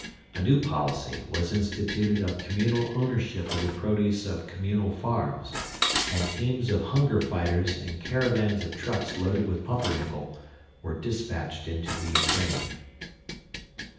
A new policy was instituted of communal ownership of the produce of communal farms, and teams of hunger fighters and caravans of trucks loaded with pumpernickel were dispatched into the Ukraine.